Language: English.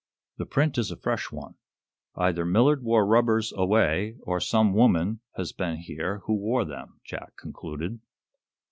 "The print is a fresh one. Either Millard wore rubbers away, or some woman has been here who wore them," Jack concluded.